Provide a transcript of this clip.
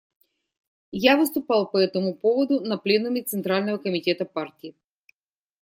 Я выступал по этому поводу на пленуме Центрального Комитета партии.